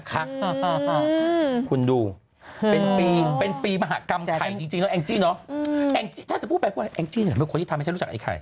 คุณดูเป็นปีเป็นปีมหากรรมไทยจริงแล้วแองจี้เนอะแองจี้ถ้าจะพูดไปพูดแองจี้เนี่ยเป็นคนที่ทำให้ฉันรู้จักไอ้ไข่